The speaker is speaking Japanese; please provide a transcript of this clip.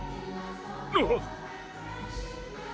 あっ！